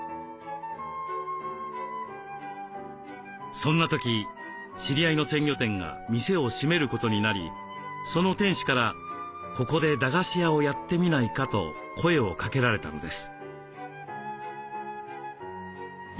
そんな時知り合いの鮮魚店が店を閉めることになりその店主から「ここで駄菓子屋をやってみないか」と声をかけられたのです。